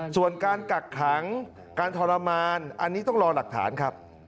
ส่วนการกักขังการทรมานอันนี้ต้องรอหลักฐานครับ